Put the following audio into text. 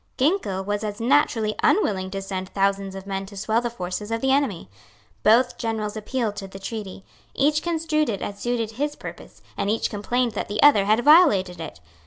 Ginkell was as naturally unwilling to send thousands of men to swell the forces of the enemy. Both generals appealed to the treaty. Each construed it as suited his purpose, and each complained that the other had violated it.